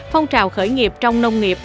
phong trào khởi nghiệp trong nông nghiệp